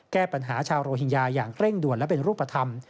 แก้ปัญหาชาวโรฮิงญาอย่างเร่งด่วนและเป็นรูปธรรม